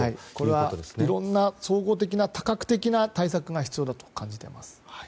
これはいろんな総合的な多角的な対策が必要だと感じています。